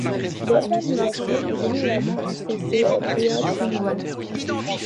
L'organisation est généralement associée aux triades chinoises.